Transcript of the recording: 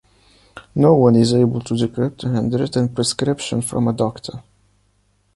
No one is able to decrypt a handwritten prescription from a doctor.